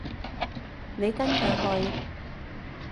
你跟佢去？